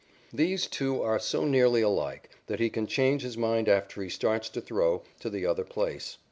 These two are so nearly alike that he can change his mind after he starts and throw to the other place.